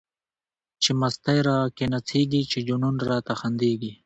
چی مستی را کی نڅیږی، چی جنون راته خندیږی